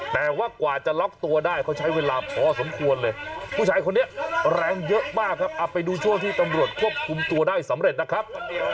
แต่ว่ากว่าจะล็อกตัวได้เขาใช้เวลาพอสมควรเลยผู้ชายคนนี้แรงเยอะมากครับเอาไปดูช่วงที่ตำรวจควบคุมตัวได้สำเร็จนะครับ